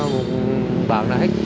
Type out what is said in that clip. một bạn nào hết